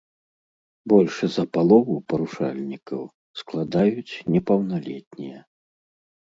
Больш за палову парушальнікаў складаюць непаўналетнія.